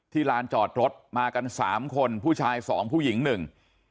ลานจอดรถมากันสามคนผู้ชายสองผู้หญิงหนึ่ง